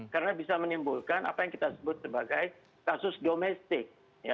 karena bisa menimbulkan apa yang kita sebut sebagai kasus domestik